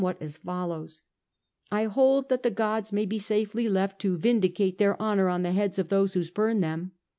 what as follows :' I hold that the gods may be safely left to vindicate their honour on the heads of those who spurn them.